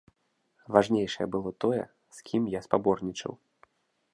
Важнейшае было тое, з кім я спаборнічаў.